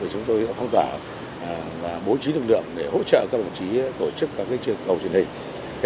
chúng tôi đã phong tỏa và bố trí lực lượng để hỗ trợ các bộ trí tổ chức các cây trường cầu truyền hình